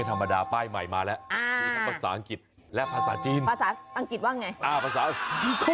ตะเผ้าตะเผ้าไม่รู้